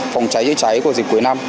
phòng cháy cháy cháy của dịp cuối năm